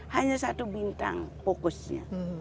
hanya satu bintang fokusnya